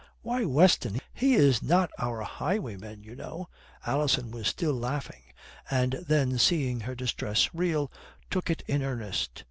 "Why, Weston, he is not our highwayman, you know," Alison was still laughing, and then seeing her distress real, took it in earnest.